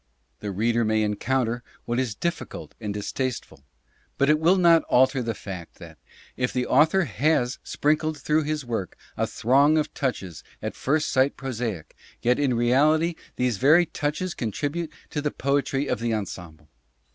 The reader may encounter what is difficult and distasteful, but it will not alter the fact that, if the author has sprinkled through his work a throng of touches at first sight prosaic, yet in reality these very touches contribute to the poetry of the ensemble.